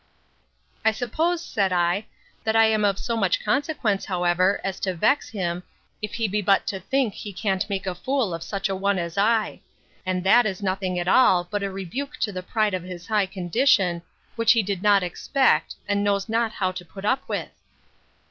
I suppose, said I, that I am of so much consequence, however, as to vex him, if it be but to think he can't make a fool of such a one as I; and that is nothing at all, but a rebuke to the pride of his high condition, which he did not expect, and knows not how to put up with.